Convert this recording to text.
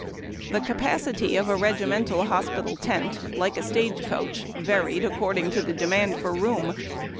The capacity of a regimental hospital tent, like a stage coach, varied according to the demand for room.